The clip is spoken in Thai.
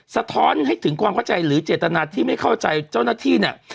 สะท้อนให้ถึงความเข้าใจหรือเจตนาที่ไม่เข้าใจเจ้าหน้าที่เนี่ย